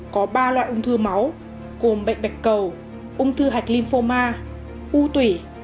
có ba loại ung thư máu gồm bệnh bạch cầu ung thư hạch lymphoma u tủy